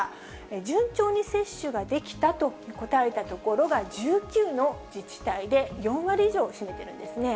順調に接種ができたと答えた所が１９の自治体で、４割以上を占めてるんですね。